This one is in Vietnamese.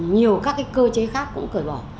nhiều các cơ chế khác cũng cởi bỏ